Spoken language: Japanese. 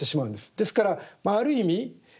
ですからある意味